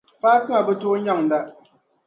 Fatimata bi tooi nyaŋ’da.